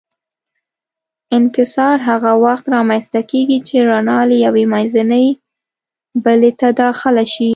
انکسار هغه وخت رامنځته کېږي چې رڼا له یوې منځنۍ بلې ته داخله شي.